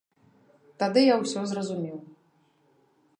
Тады я ўсё зразумеў.